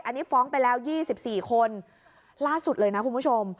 อันนี้ฟ้องไปแล้ว๒๔คนล่าสุดเลยนะคุณผู้ชม